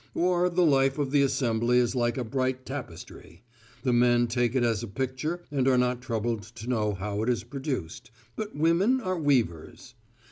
Or, the life of the assembly is like a bright tapestry: the men take it as a picture and are not troubled to know how it is produced; but women are weavers.